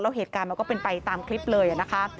แล้วเหตุการณ์มันก็เป็นไปตามคลิปเลยนะคะ